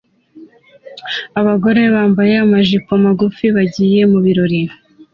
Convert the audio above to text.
Abagore bambaye amajipo magufi bagiye mu birori